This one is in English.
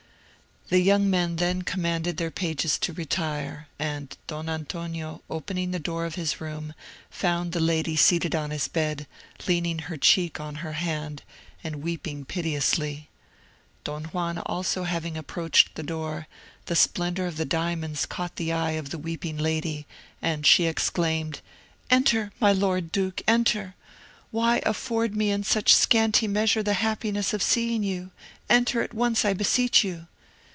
The young men then commanded their pages to retire, and Don Antonio, opening the door of his room, found the lady seated on his bed, leaning her cheek on her hand, and weeping piteously. Don Juan also having approached the door, the splendour of the diamonds caught the eye of the weeping lady, and she exclaimed, "Enter, my lord duke, enter! Why afford me in such scanty measure the happiness of seeing you; enter at once, I beseech you."